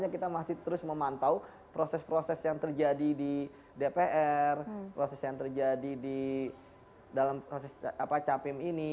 kita masih terus memantau proses proses yang terjadi di dpr proses yang terjadi di dalam proses capim ini